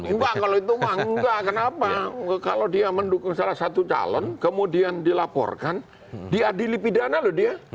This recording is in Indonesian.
enggak kalau itu mangga kenapa kalau dia mendukung salah satu calon kemudian dilaporkan diadili pidana loh dia